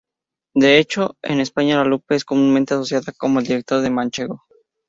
De hecho, en España La Lupe es comúnmente asociada con el director manchego.